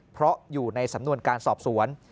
เพราะอยู่ในสำนวนการสอบสวน